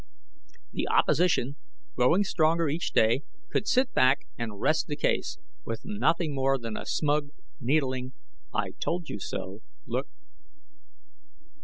The opposition, growing stronger each day, could sit back and rest the case, with nothing more than a smug, needling, I told you so look.